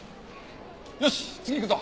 よし次行くぞ。